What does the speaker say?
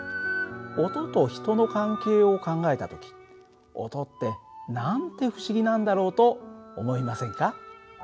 音と人の関係を考えた時音ってなんて不思議なんだろうと思いませんか？